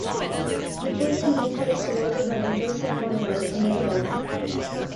Napoleon then placed his older brother Joseph Bonaparte on the throne.